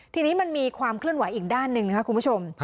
ทีนี้มันมีความคลื่นไหวอีกด้านนึงค่ะคุณผู้ชม